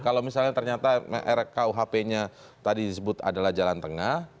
kalau misalnya ternyata rkuhp nya tadi disebut adalah jalan tengah